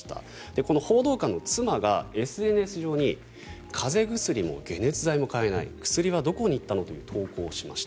この報道官の妻が、ＳＮＳ上に風邪薬も解熱剤も買えない薬はどこに行ったの？という投稿をしました。